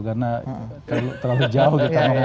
karena terlalu jauh